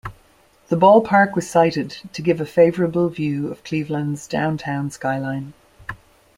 The ballpark was sited to give a favorable view of Cleveland's downtown skyline.